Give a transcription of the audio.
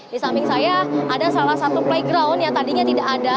di samping saya ada salah satu playground yang tadinya tidak ada